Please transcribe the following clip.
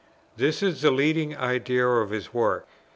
This is the leading idea of his work.